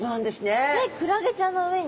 えっクラゲちゃんの上に？